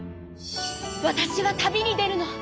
わたしは旅に出るの。